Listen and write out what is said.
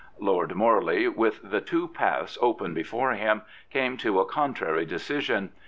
Lord Morley, with the " two paths " open before him, came to a contrary decision.